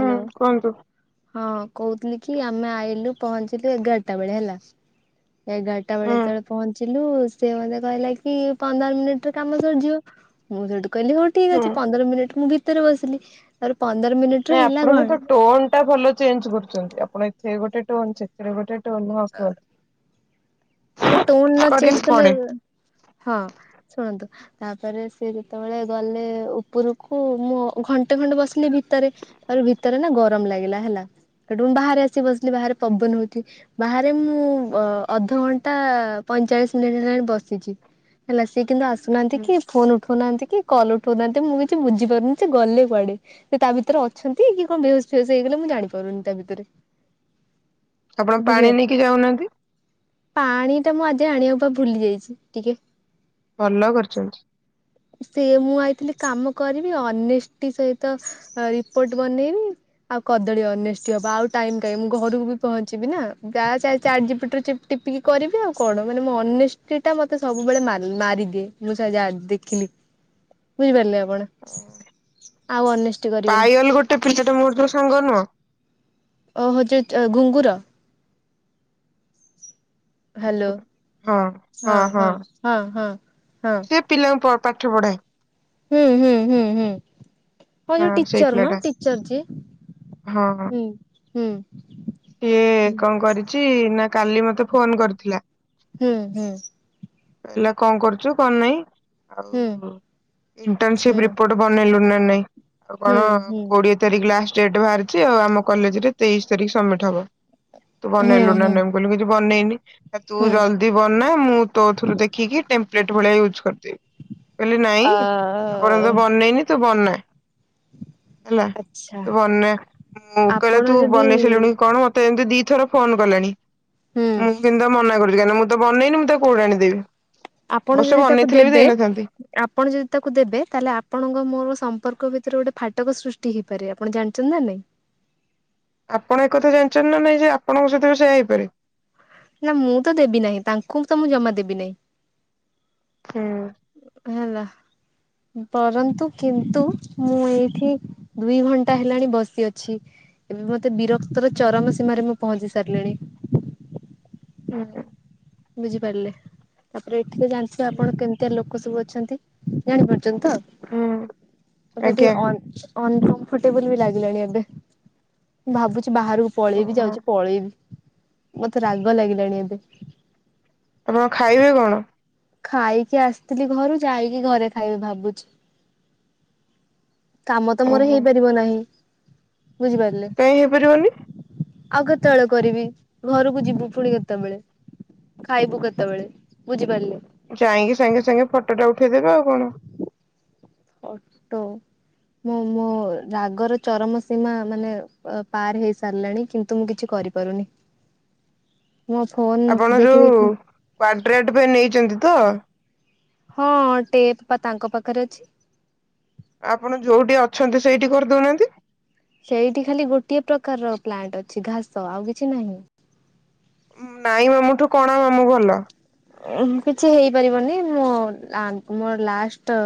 ହୁଁ କୁହନ୍ତୁ। ହଁ କହୁଥିଲି କି ଆମେ ଆଇଲୁ ପହଞ୍ଚିଲୁ ଏଗାରଟା ବେଳେ ହେଲା। ଏଗାରଟା ବେଳେ ହୁଁ ଯେତେବେଳେ ପହଞ୍ଚିଲୁ ସେ ମୋତେ କହିଲା କି ପନ୍ଦର ମିନିଟରେ କାମ ସରିଯିବ। ମୁଁ ସେଇଠୁ କହିଲି ହଉ ଠିକ ହୁଁ। ଅଛି ପନ୍ଦର ମିନିଟ୍ ମୁଁ ଭିତରେ ବସିଲି ତାପରେ ପନ୍ଦର ମିନିଟ ର ନାଇଁ ହେଲା ଆପଣଙ୍କ ତ କଣ ଟୋନ ଟା ଭଲ ଚେଞ୍ଜ କରୁଛନ୍ତି ଆପଣ ଏଥି ଗୋଟେ ଟୋନ ସେଟ ଗୋଟେ ଟୋନ ହ କୁହ ଆରେ ଅଛି ଟୋନ ନ ଚେଞ୍ଜ କରିବାକୁ କଲେ ପଡେ। ହଁ ଶୁଣନ୍ତୁ ତାପରେ ସେ ଯେତେବେଳେ ଗଲେ ଉପରକୁ ମୁଁ ଘଣ୍ଟେ ଖଣ୍ଡେ ବସିଲି ଭିତରେ। ତାପରେ ଭିତରେ ନା ଗରମ ଲାଗିଲା ହେଲା ସେଠୁ ମୁଁ ବାହାରେ ଆସି ବସିଲି ବାହାରେ ପବନ ହଉଛି। ବାହାରେ ମୁଁ ଅଧଘଣ୍ଟା ପଇଁଚାଳିଶ ମିନିଟ୍ ହେଲାଣି ବସି ହେଲା ସିଏ କିନ୍ତୁ ଆସୁନାହାନ୍ତି ହୁଁ କି ଫୋନ ଉଠଉନାହାନ୍ତି କି କଲ ଉଠଉନାହାନ୍ତି ମୁଁ କିଛି ବୁଝିପାରୁନି ସେ ଗଲେ କୁଆଡେ? ସେ ତା ଭିତରେ ଅଛନ୍ତି କି କଣ ବେହସ ଫେହସ ହେଇଗଲେ ମୁଁ ଜାଣି ପାରୁନି ତା ଭିତରେ। ଆପଣ ପାଣି ବୁଝିପାରିଲେ ନେଇକି ଯାଉନାହାନ୍ତି। ପାଣି ଟା ମୁଁ ଆଜି ଆଣିବା ପା ଭୁଲି ଯାଇଛି ଟିକେ। ଭଲ କରିଛନ୍ତି। ସେ ମୁଁ ଆଇଥିଲି କାମ କରିବି ଅନେଷ୍ଟି ସହିତ ରିପୋର୍ଟ ବନେଇବି। ଆଉ କଦଳୀ ଅନେଷ୍ଟି ହବ ଆଉ ଟାଇମ କାହିଁ ମୁଁ ଘରକୁ ବି ପହଞ୍ଚିବି ନା ଚାଟ ଯି ପି ଟି ଟିପିକି କରିବି ଆଉ କଣ ମାନେ ମୋ ଅନେଷ୍ଟି ଟା ମତେ ସବୁବେଳେ ମାରିଦିଏ ମୁ ସା ଯାହା ଦେ ଦେଖିଲି ବୁଝିପାରିଲେ ଆପଣ ଆଉ ଅନେଷ୍ଟ କରିବେନି। ସେ ପିଲାଟା ମୋର ଯୋଉ ସାଙ୍ଗ ନୁହଁ। ଓହୋ ହଁ ଯୋଉ ଘୁଙ୍ଗୁର। ହ୍ୟାଲୋ ହଁ ହଁ ହଁ ହଁ ହଁ। ସେ ପିଲାଙ୍କୁ ପାଠ ପଢ଼ାଏ। ହୁଁ ହୁଁ ହୁଁ ହୁଁ ହଁ ଯୋଉ ସେଇ ଟିଚର ମ ପିଲାଟା ଟିଚର ଯେ ହଁ ହଁ। ହୁଁ ହୁଁ ସିଏ କଣ କରିଛି ନା କାଲି ମତେ ଫୋନ କରିଥିଲା ହୁଁ ହୁଁ ହେଲେ କଣ କରୁଛୁ କଣ ନାଇଁ ହୁଁ ଆଉ ଇଣ୍ଟନସିପ ହୁଁ ରିପୋର୍ଟ ବନେଇଲୁ ନା ନାଇଁ ଆଉ ହୁଁ କଣ ହୁଁ କୋଡିଏ ତାରିଖ ଲାଷ୍ଟ ଡେଟ୍ ବାହାରି ଆଉ ଆମ କଲେଜରେ ତେଇଶି ତାରିଖ ସବମିଟ ହବ ତୁ ହୁଁ ବନେଇଲୁ ନା ହୁଁ ନାହିଁ? ବୋଲି କିଛି ବନେଇନି ତୁ ହୁଁ ଜଲଦି ବନା ମୁଁ ତୋଥିରୁ ଦେଖିକି ଟେମ୍ପ୍ଲେଟ୍ ଭଳିଆ ୟୁଜ୍ କରିଦେବି। କହିଲେ ନାଇଁ ଅ ଏପର୍ଯ୍ୟନ୍ତ ବନେଇନି ତୁ ବନା। ହେଲା ଆଚ୍ଛା ବନେ ମୁଁ କହିଲେ ଆପଣ ତୁ ଯଦି ବନେଇ ସାଇଲୁଣି କଣ ମତେ? ଏମିତି ଦିଥର ଫୋନ କଲାଣି ହୁଁ ମୁଁ କିନ୍ତୁ ମନା କରୁଛି କାହିଁକି ମୁଁ ତ ବନେଇନି ମୁଁ ତା କୋଉଠି ଆଣିଦେବି ଆପଣ ଅବଶ୍ୟ ଯଦି ତାକୁ ବନେଇଥିଲେ ବି ଦେବେ ଦେଇନଥାନ୍ତି। ଆପଣ ଯଦି ତାକୁ ଦେବେ ତାହେଲେ ଆପଣଙ୍କ ମୋର ସମ୍ପର୍କ ଭିତରେ ଗୋଟେ ଫାଟକ ସୃଷ୍ଟି ହେଇପାରେ ଆପଣ ଜାଣିଛନ୍ତି ନା ନାଇଁ? ଆପଣ ଏ କଥା ଜାଣିଛନ୍ତି ନା ନାଇଁ ଯେ ଆପଣଙ୍କ ସହିତ ବି ସେୟା ହେଇପାରେ। ନା ମୁଁ ତ ଦେବି ନାହିଁ ତାଙ୍କୁ ତ ମୁଁ ଜମା ଦେବି ନାହିଁ। ହୁଁ। ହେଲା ପରନ୍ତୁ କିନ୍ତୁ ମୁଁ ଏଇଠି ଦୁଇ ଘଣ୍ଟା ହେଲାଣି ବସି ଅଛି। ଏବେ ମତେ ବିରକ୍ତର ଚରମ ସୀମାରେ ମୁଁ ପହଞ୍ଚି ସାରିଲିଣି। ହୁଁ ହୁଁ। ବୁଝିପାରିଲେ ତାପରେ ଏଠିକି ଜାଣିଥିବେ ଆପଣ କେମ ଏ ଲୋକ ସବୁ ଅଛନ୍ତି ଜାଣିପାରୁଛନ୍ତି ତ ହୁଁ ମତେ ଆଜ୍ଞା ଟିକେ ଅନକମ୍ଫର୍ଟେବଲ ବି ଲାଗିଲାଣି ଏବେ ମୁ ଭାବୁଛି ବାହାରକୁ ଓ ପଳେଇବି ଯାଉଛି ପଳେଇବି ମତେ ରାଗ ଲାଗିଲାଣି ଏବେ। ଆପଣ ଖାଇବେ କଣ? ଖାଇକି ଆସିଥିଲି ଘରୁ ଯାଇକି ଘରେ ଖାଇବି ଭାବୁଛି। କାମ ତ ମୋର ଓହୋ ହେଇପାରିବ ନାହିଁ ବୁଝିପାରିଲେ? କାହିଁ ହେଇପାରିବନି। ଆଉ କେତେବେଳେ କରିବି ଘରକୁ ଯିବୁ ପୁଣି କେତେବେଳେ? ଖାଇବୁ ଗତ ବଳେ ବୁଝି ପାରିଲେ? ଯାଇକି ସାଙ୍ଗେ ସାଙ୍ଗେ ଫଟୋଟା ଉଠେଇଦେବେ ଆଉ କଣ? ଫଟୋ। ମୁଁ ମୋ ରାଗର ଚରମ ସୀମା ମାନେ ପାର ହେଇସାରିଲାଣି କିନ୍ତୁ ମୁଁ କିଛି କରିବି ମୁଁ ଫୋନ ଆପଣ ଦେଖି ଯୋଉ ଦେଖି [unintelligible] ପାଇଁ ନେଇଛନ୍ତି ତ? ହଁ ଟେପ ପା ତାଙ୍କ ପାଖରେ ଅଛି। ଆପଣ ଯୋଉଠି ଅଛନ୍ତି ସେଇଠି କରିଦଉନାହାନ୍ତି। ସେଇଠି ଖାଲି ଗୋଟିଏ ପ୍ରକାରର ପ୍ଲାଣ୍ଟ ଅଛି ଘାସ ଆଉ କିଛି ନାହିଁ। ନାଇଁ ମାମୁଠୁ କଣ ମାମୁଁ ଭଲ? କିଛି ହେଇପାରିବନି ମୁଁ ମୋର ଲାଷ୍ଟ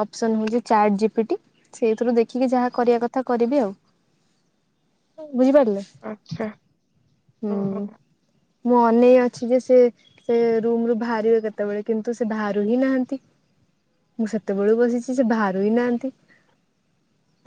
ଅପସନ୍ ହେଉଛି ଚାର୍ଟ ଜିପି ଟି ସେଇଥିରୁ ଦେଖିକି ଯାହା କରିବା କଥା କରିବି ଆଉ ବୁଝିପାରିଲେ? ଆଛା। ହୁଁ ମୁଁ ଅନେଇ ଅଛି ଯେ ସେ ସେ ରୁମରୁ ବାହାରିବେ କେତେବେଳେ କିନ୍ତୁ ସେ ବାହାରୁବି ହିଁ ନାହାନ୍ତି। ମୁଁ ସେତେବେଳ ବସିଛି ସେ ବାହରୁ ହି ନାହାନ୍ତି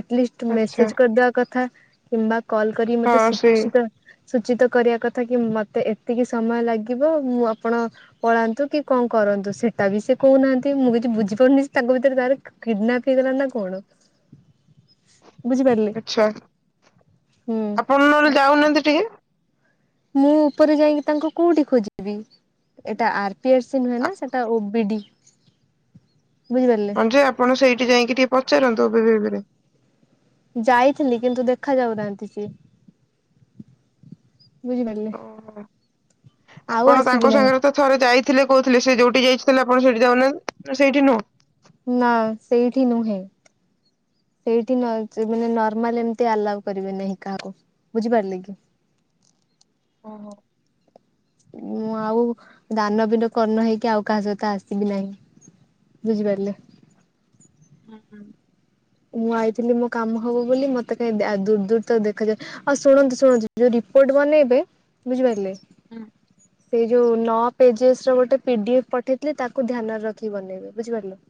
ଆଟଲିଷ୍ଟ ଆଚ୍ଛା ମେସେଜ କରିଦବା କଥା କିମ୍ବା କଲ୍ କରିକି ହଁ ମତେ ସେଇ ସୁଚିତ ସୂଚିତ କରିବା କଥା କି ମତେ ଏତିକି ସମୟ ଲାଗିବ ମୁଁ ଆପଣ ପଳାନ୍ତୁ କି କଣ କରନ୍ତୁ ସେଟା ବି ସେ କହୁନାହାନ୍ତି ମୁଁ କିଛି ବୁଝିପାରୁନି ତାଙ୍କ ଭିତରେ ତାର [unintelligible] ବୁଝିପାରିଲେ ହୁଁ। ହଁ [unintelligible] ଯାଉନାହାନ୍ତି ଟିକେ ମୁଁ ଉପରେ ଯାଇକି ତାଙ୍କୁ କୋଉଠି ଖୋଜିବି ଏଟା ଆର୍ ନୁହେଁ ନା ଆ- ସେଟା ଓ ବି ଡି ବୁଝିପାରିଲେ। ହଁ ଯେ ଆପଣ ସେଇଠି ଯାଇକି ଟିକେ ପଚାରନ୍ତୁ ଯାଇଥିଲି କିନ୍ତୁ ଦେଖ ଯାଉନାହାନ୍ତି ସିଏ ବୁଝିପାରିଲେ ଓହୋ ଆଉ ଆପଣ ଆସିବି ତାଙ୍କ ନାହିଁ ସାଙ୍ଗରେ ତ ଥରେ ଯାଇଥିଲେ କହୁଥିଲେ ସେ ଯୋଉଠି ଯାଇଥିଲେ ଆପଣ ସେଠି ଯାଉନାହା ସେଇଠି ନୁହଁ। ନା ସେଇଠି ନୁହେଁ। ସେଇଠି ମାନେ ନର୍ମାଲ ଏମତି ଆଲାଉ କରିବେ ନାହିଁ କାହାକୁ ବୁଝିପାରିଲେ କି। ଓହୋ। ମୁଁ ଆଉ ଦାନ ବିିନ କର୍ଣ୍ଣ ହେଇକି ଆଉ କାହା ସହିତ ଆସିବି ନାହିଁ। ବୁଝିପାରିଲେ। ହୁଁ ହ। ମୁଁ ଆଇଥିଲି ମୋ କାମ ହବ ବୋଲି ମତେ କାହିଁ ଦୂର ଦୂର ତ ଦେଖାଯାଉ ଆଉ ଶୁଣନ୍ତୁ ଶୁଣନ୍ତୁ ଯୋଉ ରିପୋର୍ଟ ବନେଇବେ ବୁଝିପାରିଲେ ହୁଁ ସେଇ ଯୋଉ ନଅ ପେଜେସ ର ଗୋଟେ ପିଡିଏଫ ପଠେଇଥିଲଥିଲେ ତାକୁ ଧ୍ୟାନରେ ରଖି ବନେଇବି ବୁଝିପାରିଲେ।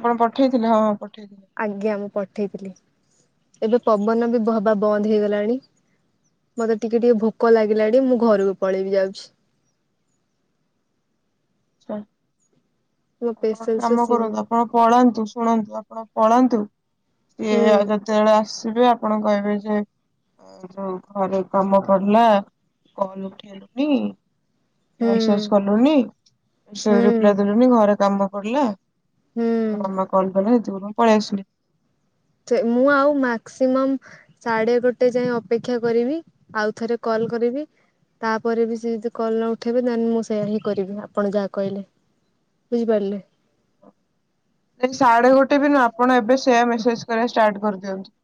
ଆପଣ ପଠେଇଥିଲେ ହଁ ହଁ ପଠେଇଥିଲେ। ଆଜ୍ଞା ମୁଁ ପଠେଇଥିଲି ଏବେ ପବନ ବି ହବା ବନ୍ଦ ହେଇଗଲାଣି। ମତେ ଟିକେ ଟିକେ ଭୋକ ଲାଗିଲାଣି ମୁଁ ଘରକୁ ପଳେଇବି ଯାଉଛି। ଆଛା ମୋ ଆପଣ ପେସେନ୍ସ ର କାମ ସୀମା କରନ୍ତୁ। ଆପଣ ପଳାନ୍ତୁ ଶୁଣନ୍ତୁ ଆପଣ ପଳାନ୍ତୁ। ସିଏ ହୁଁ। ଆଉ ଯେତେବେଳେ ଆସିବେ ଆପଣ କହିବେ ଯେ ଅ, ଯୋଉ ଘରେ କାମ ପଡିଲା କଲ ଉଠେଇଲୁଣିି ହୁଁ [unintelligible] କଲୁନି। ସେରେ ହୁଁ ରିପ୍ଲାଏ ଦେଲୁନି ଘରେ କାମ କରଡିଲା ହୁଁ ଆଉ ମାମା କଲ କଲା ଏ ମୁଁ ପଳେଇ ଆସିଲି। ସେ ମୁଁ ଆଉ ମାକ୍ସିମମ୍ ସାଢେ ଗୋଟେ ଯାଏ ଅପେକ୍ଷା କରିବି ଆଉ ଥରେ କଲ କରିବି। ତାପରେ ବି ସେ ଯଦି କଲ ନ ଉଠାଇବେ ଦେ ମୁଁ ସେଇଆ ହିଁ କରିବି ଆପଣ ଯାହା କହିଲେ। ବୁଝିପାରିଲେ। ସାଢଡେ ଗୋଟେ ବି ନ ଆପଣ ଏବେ ସେୟ ମେସେଜ କରିବା ଷ୍ଟାର୍ଟ କରି ଦିଅନ୍ତୁ।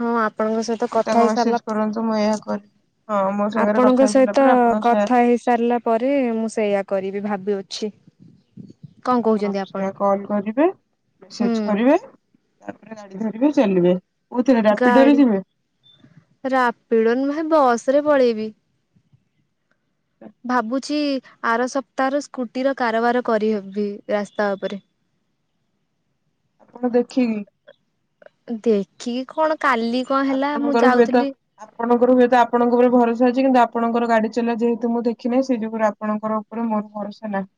ହଁ ଆପଣଙ୍କ ସହିତ କଥା ହେଇ ସାରିଲା କରନ୍ତୁ ମୁଁ ଏହା କରି ହଁ ମୋ ସାଙ୍ଗରେ କଥା ଆପଣଙ୍କ ହେଇସାରିଲା ସହିତ ପରେ ଆପଣ ସେୟା କଥା ହେଇସାରିଲା ପରେ ମୁଁ ସେଇଆ କରିବି ଭାବିଅଛି କଣ ହଁ କହୁଛନ୍ତି ଆପଣ? ସେଇଆ କଲ କରିବେ ହୁଁ ମେସେଜ କରିବେ ତାପରେ ଗାଡି ଧରିବେ ଚାଲିବେ। କୋଉଥିରେ ରାପିଡୋରେ ଗାଡି ଯିବେ ରାପିଡ ନୁହଁ ବସରେ ପଳେଇବି। ଭାବୁଛି ଆର ସପ୍ତାହର ସ୍କୁଟିର କାରବାର କରିହେବି ରାସ୍ତା ଉପରେ। ହଁ ଦେଖିନି। ଦେଖିକି କଣ କାଲି କଣ ହେଲା ମୁଁ ଆପଣଙ୍କର ହୁଏତ ଯାଉଥିଲି ଆପଣଙ୍କର ହୁଏତ ଆପଣଙ୍କ ଉପରେ ଭରସା ଅଛି କିନ୍ତୁ ଆପଣଙ୍କର ଗାଡି ଚଲା ଯେହେତୁ ମୁଁ ଦେଖିନହିଁ ସେଇ ଯୁଗରୁ ଆପଣଙ୍କର ଉପ ମୋତ ଭରସା ନାହିଁ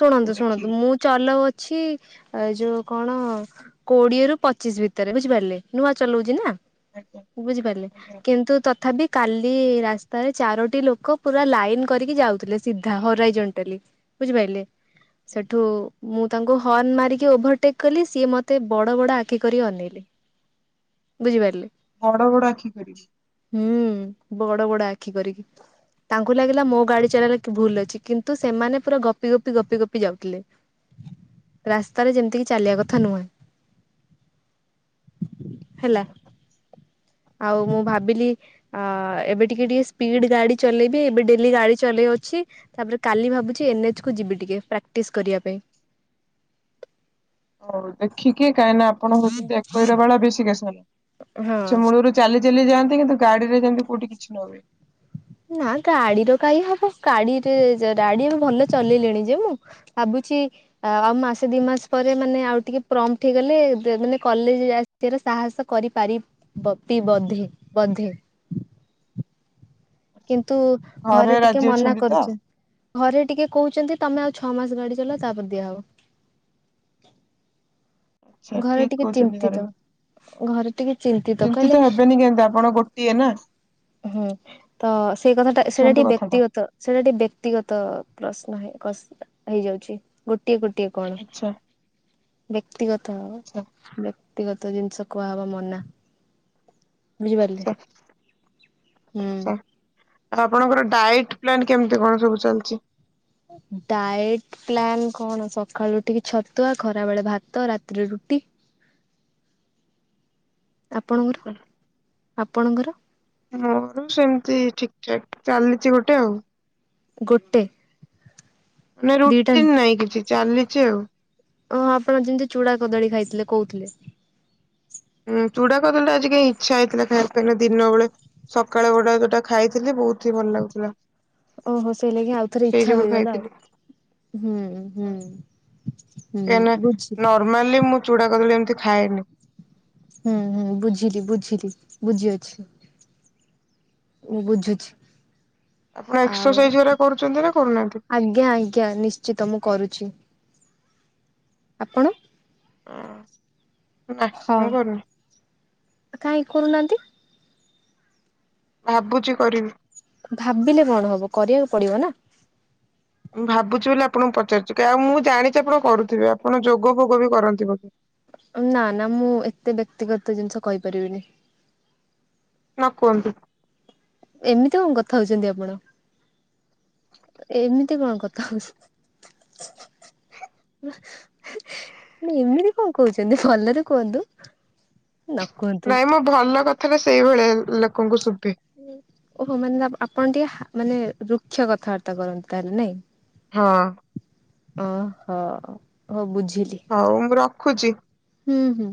ଶୁଣନ୍ତୁ ଶୁଣନ୍ତୁ ଦେଖିକି ମୁଁ ଚଲଉ ଛି ଯୋଉ କଣ କୋଡିଏ ରୁ ପଚିଶ ଭିତରେ ବୁଝିପାରିଲେ ନୂଆ ଚଲାଉଛି ନା। ଆଜ୍ଞା ବୁଝିପାରିଲେ ଆଜ୍ଞା କିନ୍ତୁ ତଥାପି କାଲି ରାସ୍ତାରେ ଚାରୋଟି ଲୋକ ପୁରା ଲାଇନ କରିକି ଯାଉଥିଲେ ସିଧା ହରାଇ ଜଣ୍ଟଲି। ବୁଝିପାରିଲେ ସେଠୁ। ମୁଁ ତାଙ୍କୁ ହର୍ଣ୍ଣ ମାରିକି ଓଭରଟେକ୍ କଲି ସିଏ ମତେ ବଡ ବଡ ଆଖି କରି ଅନେଇଲି। ବୁଝିପାରିଲେ। ବଡ ବଡ ଆଖି କରିିକି। ହୁଁ, ବଡ ବଡ ଆଖି କରିକି। ତାଙ୍କୁ ଲାଗିଲା ମୋ ଗାଡି ଚଲାଇଲା ଭୁଲ ଅଛି କିନ୍ତୁ, ସେମାନେ ପୁରା ଗପି- ଗପି -ଗପି -ଗପି ଯାଉଥିଲେ। ରାସ୍ତାରେ ଯେମିତିକି ଚାଲିବା କଥା ନୁହେଁ। ହେଲା ଆଉ ମୁଁ ଭାବିଲି ଅ ଏବେ ଟିକେ ଟିକେ ସ୍ପିଡ ଗାଡି ଚଲେଇବି ଏବେ ଡେଲି ଗାଡି ଚଲେଇ ଅଛି। ତାପରେ କାଲି ଭାବୁଛି ଏନ୍ଏଚ କୁ ଯିବି ଟିକେ ପ୍ରାକ୍ଟିସ କରିବା ପାଇଁ। ହଉ ଦେଖିକି, କାହିଁକି ନା ଆପଣ ହଉଛନ୍ତି ଏକୋଇର ବାଳା ବେଶୀ ହଁ। କେସାନଛ ମୂଳରୁ ଚାଲି ଚାଲି ଯାଆନ୍ତି କିନ୍ତୁ ଗଡି ରେ ଯେମିତି କଉଠି କିଛି ନ ହୁଏ। ନା ଗାଡିର କାହିଁ ହବ ଗାଡିରେ ଗାଡି ଏ ଭଲ ଚଲେଇଲେଣି ଯେ ମୁଁ। ଭାବୁଛି ଆଉ ମାସେ ଦି ମାସ ପରେ ମାନେ ଆଉ ଟିକେ ପ୍ରମ୍ଫଟ ହେଇଗଲେ ଗଲେ ମାନେ କଲେଜ ନିଜର ସାହସ କରିପାର ବଧ ବଧେ। କିନ୍ତୁ ଘରେ ରାଜି ଟିକେ ମନା ଅଛନ୍ତି ତ କରୁଛୁ। ଘରେ ଟିକେ କହୁଛନ୍ତି, ତମେ ଆଉ ଛଅ ମାସ ଗାଡି ଚଲ ତାପରେ ଦିଆହବ। ଆଚ୍ଛା ଘରେ ଠିକ ଟିକେ କହୁଛନ୍ତି ଘରେ ଚିନ୍ତିତ। ଘରେ ଟିକେ ଚିନ୍ତିତ କହିଲେ। ହେବେନି କେମିତି ଆପଣ ଗୋଟିଏ ନା ହୁଁ, ତ ସେଇ କଥାଟା ସେଇଟା ବୁଝନ୍ତୁ ଟିକେ କଥାଟା ବ୍ୟକ୍ତିଗତ। ସେଇଟା ଟିକେ ବ୍ୟକ୍ତିଗତ ପ୍ରଶ୍ନ ହେଇଯାଉଛି ଗୋଟିଏ ଗୋଟିଏ। କଣ ଆଚ୍ଛା ବ୍ୟକ୍ତିଗତ? ଆଚ୍ଛା। ବ୍ୟକ୍ତିଗତ ଜିନିଷ କୁହାହବା ମନା। ବୁଝିପାରିଲେ ଆଛା [unintelligible] ହୁଁ ଆଉ ଆପଣଙ୍କର ଡାଏଟ୍ ପ୍ଲାନ କେମିତି କଣ ସବୁ ଚାଲିଛି? ଡାଏଟ୍- ପ୍ଲାନ୍ କଣ? ସକାଳୁ ଟିକେ ଛତୁଆ, ଖରା ବେଳେ ଭାତ, ରାତିରେ ରୁଟି। ଆପଣଙ୍କର ଆପଣଙ୍କର? ମୋର ସେମିତି ଠିକ ଠାକ ଚାଲିଛି ଗୋଟେ ଆଉ। ଗୋଟେ। ଦିଟା ରୁଟିନ ନାଇଁ କିଛି ଚାଲିଛି ଆଉ। ଓ ଆପଣ ଯେମିତି ଚୁଡ଼ା କଦଳୀ ଖାଇଥିଲେ କହୁଥିଲେ। ହୁ ଚୂଡା କଦଳୀ ଆଜି କାଇଁ ଇଚ୍ଛା ହେଇଥିଲା ଖାଇବା ନା ଦିନେଳେ। ସକାଳେ ଗୋଟେ ଯୋଉଟା ଖାଇଥିଲି ବହୁତ ହିଁ ଭଲ ଲାଗୁଥିଲା। ଓହୋ! ସେଇ ଲଗି ଆଉ ଥରେ ସେଇ ଇଛା ଯୋଗୁରୁ ହେଇଗଲା ଖାଇଥିଲି। ଆଉ ହୁଁ ହୁଁ। ହୁଁ କାହିଁନା ବୁଝିଲି। ନର୍ମାଲି ମୁଁ ଚୂଡା କଦଳୀ ଏମିତି ଖାଏନି? ହୁଁ ହୁଁ ବୁଝିଲି ବୁଝିଲି ବୁଝି ଅଛି। ମୁଁ ବୁଝୁଛି। ଆପଣ ଆଉ ଏକ୍ସରସାଇଜରେ କରୁଛନ୍ତି ନା କରୁନାହାନ୍ତି। ଆଜ୍ଞା। ଆଜ୍ଞା ନିଶ୍ଚିତ ମୁଁ କରୁଛି। ଆପଣ ନା ହଁ। ମୁଁ କରନି। କାହିଁ କରୁନାହାନ୍ତି। ଭାବୁଛି କରିବି। ଭାବିଲେ କଣ ହବ କରିବାକୁ ପଡିବ ନା? ଭାବୁଛି ବୋଲି ଆପଣଙ୍କୁ ପଚାରୁଛି। କି ଆଉ ମୁଁ ଜାଣିଛି ଆପଣ କରୁଥିବେ ଆପଣ ଯୋଗ ଫୋଗ ବି କରନ୍ତି ବୋଧେ। ନା ନା ମୁଁ ଏତେ ବ୍ୟକ୍ତିଗତ ଜିନିଷ କହିପାରିବିନି। ନ କୁହନ୍ତୁ। ଏମିତି କଣ କଥା ହଉଛନ୍ତି ଆପଣ? ଏମିତି କଣ କଥା ହଉଛ। ମାନେ ଏମିତି କଣ କହୁଛନ୍ତି ଭଲରେ କୁହନ୍ତୁ। ନା। ନାଇଁମ ଭଲ କଥାରା ସେଇଭଳିଆ ଲୋକଙ୍କୁ ଶୁଭେ। ଓହୋ ମାନେ ଆପଣ ଟିକେ ମାନେ ରୁକ୍ଷ କଥାବାର୍ତ୍ତା କରନ୍ତି ତାହେଲେ ନାଇଁ? ହଁ। ଓହ ହଉ ବୁଝିଲି। ହଉ ମୁଁ ରଖୁଛି। ହୁଁ ହୁଁ।